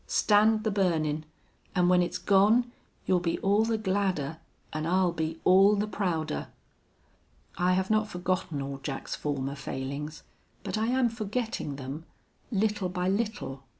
Stand the burnin'. An' when it's gone you'll be all the gladder an' I'll be all the prouder.'... I have not forgotten all Jack's former failings, but I am forgetting them, little by little.